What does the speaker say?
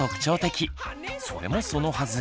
それもそのはず